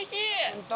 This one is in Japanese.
本当？